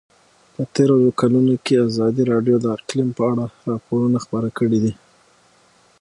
په تېرو کلونو کې ازادي راډیو د اقلیم په اړه راپورونه خپاره کړي دي.